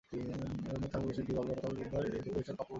বন্দর থানা পুলিশের একটি দল গতকাল বুধবার দুপুরে এসব কাপড় উদ্ধার করে।